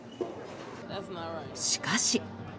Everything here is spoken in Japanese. しかし。